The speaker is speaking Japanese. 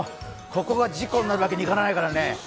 ここが事故になるわけにいかないからね。